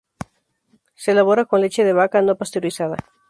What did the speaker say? Se elabora con leche de vaca no pasteurizada.